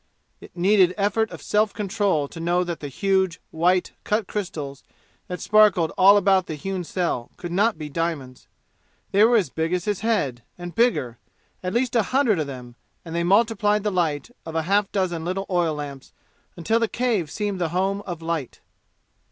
It needed effort of self control to know that the huge, white, cut crystals that sparkled all about the hewn cell could not be diamonds. They were as big as his head, and bigger at least a hundred of them, and they multiplied the light of half a dozen little oil lamps until the cave seemed the home of light.